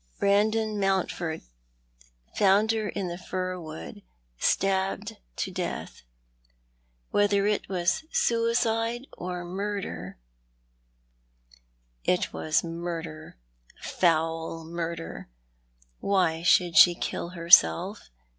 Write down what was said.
Brandon Mountford found her in the fir wood— stabbed to death. Whether it was suicide or murder "" It was munler— foul murder !" cried Sir Jo?eph. " Why should she kill herself?